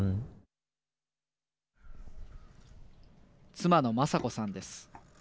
妻の雅子さんです。